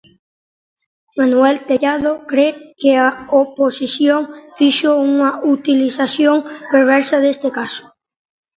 Manuel Tellado cre que a oposición fixo unha utilización perversa deste caso.